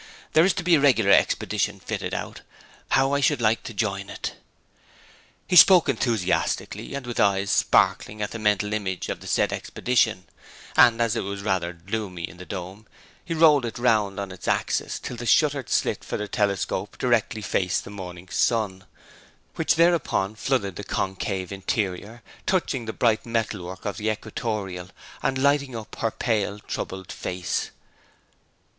There is to be a regular expedition fitted out. How I should like to join it!' He spoke enthusiastically, and with eyes sparkling at the mental image of the said expedition; and as it was rather gloomy in the dome he rolled it round on its axis, till the shuttered slit for the telescope directly faced the morning sun, which thereupon flooded the concave interior, touching the bright metal work of the equatorial, and lighting up her pale, troubled face.